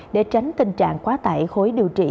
để tránh tình trạng quá tải khối điều trị